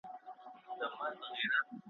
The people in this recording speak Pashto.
غزرائيل د دښمنانو `